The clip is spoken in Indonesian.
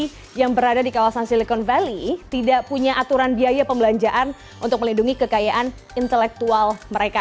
yang berada di kawasan silicon valley tidak punya aturan biaya pembelanjaan untuk melindungi kekayaan intelektual mereka